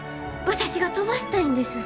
私が飛ばしたいんです。